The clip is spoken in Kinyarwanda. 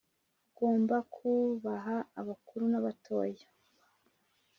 ugomba kubaha abakuru nabatoya